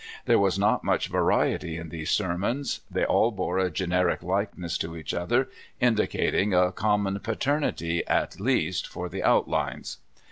There was not much variety in these sermons. They all bore a generic likeness to each other, indicating a com mon paternit}^ at least for the outlines.